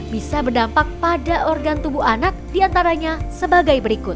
bisa berdampak pada organ tubuh anak diantaranya sebagai berikut